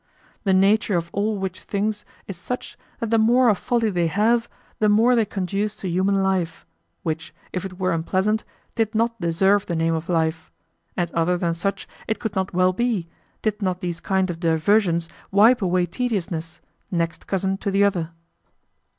The nature of all which things is such that the more of folly they have, the more they conduce to human life, which, if it were unpleasant, did not deserve the name of life; and other than such it could not well be, did not these kind of diversions wipe away tediousness, next cousin to the other.